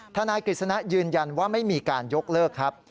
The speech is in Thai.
นายกฤษณะยืนยันว่าไม่มีการยกเลิกครับ